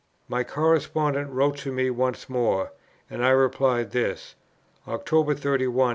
My correspondent wrote to me once more, and I replied thus: "October 31, 1843.